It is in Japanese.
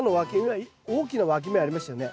大きなわき芽ありましたよね。